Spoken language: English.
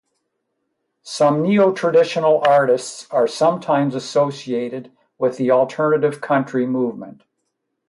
Some neotraditional artists are sometimes associated with the alternative country movement.